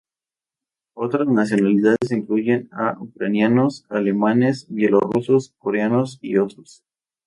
Otras nacionalidades incluyen a ucranianos, alemanes, bielorrusos, coreanos, y otros.